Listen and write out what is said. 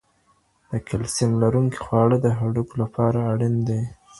د کلسیم لرونکي خواړه د هډوکو لپاره اړین دي.